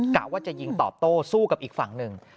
กะว่าจะยิงตอบโต้สู้กับอีกฝั่งหนึ่ง